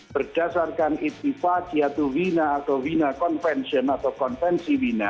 berdasarkan itifat yaitu wina atau wina convention atau konvensi wina